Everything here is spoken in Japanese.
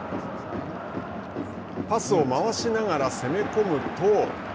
パスを回しながら攻め込むと。